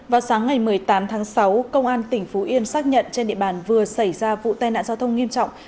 vào sáng ngày một mươi tám tháng sáu công an tỉnh phú yên xác nhận trên địa bàn vừa xảy ra vụ tai nạn giao thông nghiêm trọng